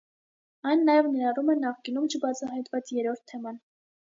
Այն նաև ներառում է նախկինում չբացահայտված երրորդ թեման։